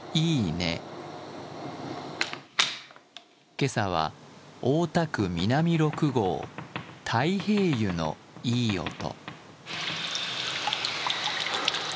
今朝は大田区南六郷太平湯のいい音。